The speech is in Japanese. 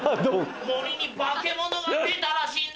森に化け物が増えたらしいんです。